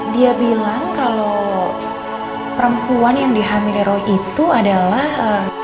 dia bilang kalau perempuan yang dihamil eroi itu adalah